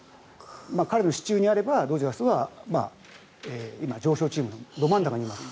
彼の手中にあればドジャースは今、常勝チームのど真ん中にいます。